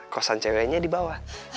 kosan ceweknya di bawah